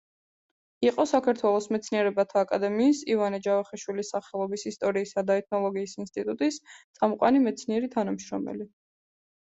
იყო საქართველოს მეცნიერებათა აკადემიის ივანე ჯავახიშვილის სახელობის ისტორიისა და ეთნოლოგიის ინსტიტუტის წამყვანი მეცნიერი თანამშრომელი.